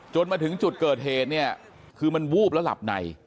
มาถึงจุดเกิดเหตุเนี่ยคือมันวูบแล้วหลับใน